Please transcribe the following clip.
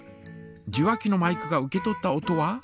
受話器のマイクが受け取った音は。